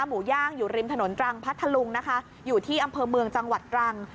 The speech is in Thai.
หมูย่างอยู่ริมถนนตรังพัทธลุงนะคะอยู่ที่อำเภอเมืองจังหวัดตรัง